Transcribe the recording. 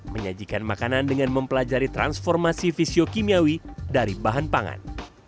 menyajikan makanan dengan mempelajari transformasi fisiokimiawi dari bahan pangan